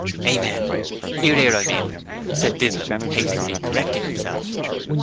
'Amen 'ear, 'ear, I mean,' said Didlum, hastily correcting himself.